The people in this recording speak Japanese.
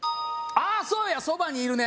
あそうや「そばにいるね」